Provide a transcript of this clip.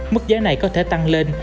mức giá này có thể tăng lên